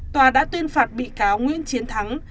tòa đã tuyên phạt bị cáo nguyễn chiến thắng